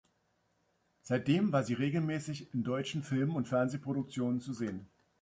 Seitdem war sie regelmäßig in deutschen Film- und Fernsehproduktionen zu sehen.